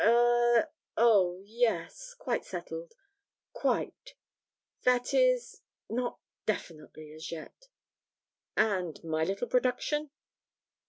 'Er oh yes, quite settled quite, that is, not definitely as yet.' 'And my little production?'